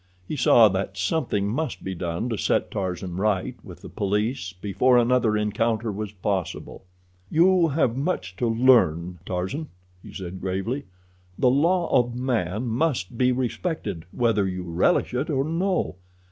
He saw that something must be done to set Tarzan right with the police before another encounter was possible. "You have much to learn, Tarzan," he said gravely. "The law of man must be respected, whether you relish it or no.